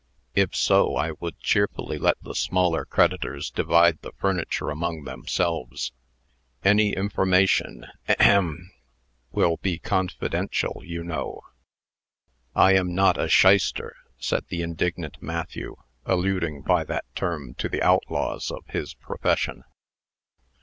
If so, I would cheerfully let the smaller creditors divide the furniture among themselves. Any information ahem! will be confidential, you know." "I am not a shyster!" said the indignant Matthew, alluding, by that term, to the outlaws of his profession.